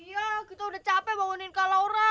iya kita udah capek bangunin kak laura